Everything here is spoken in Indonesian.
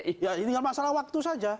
ya ini tinggal masalah waktu saja